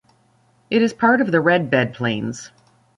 It is part of the Red Bed plains.